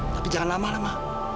tapi jangan lama lama